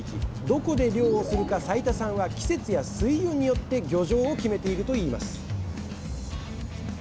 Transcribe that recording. どこで漁をするか齊田さんは季節や水温によって漁場を決めているといいます